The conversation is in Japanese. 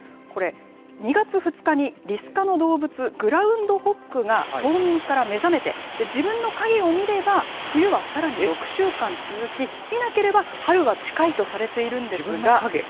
これ、２月２日にリス科の動物、グラウンドホッグが冬眠から目覚めて、自分の影を見れば、冬はさらに６週間続き、見なければ春は近いとされているんですが。